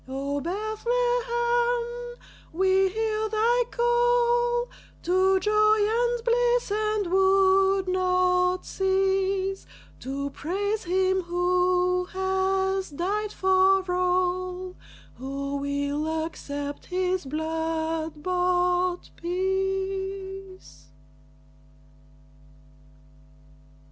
O Bethlehem, we hear thy call To joy and bliss, and would not cease To praise him who has died for all Who will accept his blood bought peace!